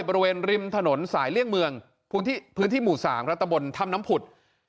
ในบริเวณริมถนนสายเลี่ยงเมืองพื้นที่พื้นที่หมู่สามรัฐบนทำน้ำผุด